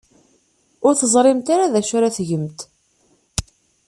Ur teẓrimt ara d acu ara tgemt.